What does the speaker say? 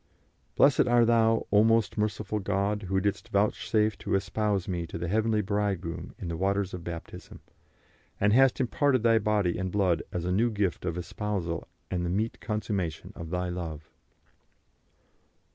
"Blessed are Thou, O most merciful God, who didst vouchsafe to espouse me to the heavenly Bridegroom in the waters of baptism, and hast imparted Thy body and blood as a new gift of espousal and the meet consummation of Thy love."